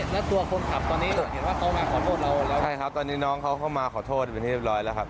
แล้วตัวคนขับตอนนี้เห็นว่าเขามาขอโทษเราแล้วใช่ครับตอนนี้น้องเขาเข้ามาขอโทษเป็นที่เรียบร้อยแล้วครับ